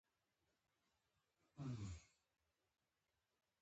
هغه که حاکمان وو که عام رعیت.